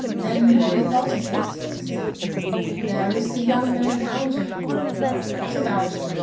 "Then, have you thought of it?" said he; "there is the young man Algernon." "What of Algernon?"